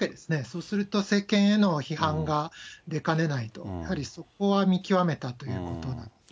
そうすると政権への批判が出かねないと、やはりそこは見極めたということだった。